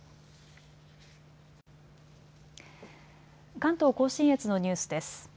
関東甲信越のニュースです。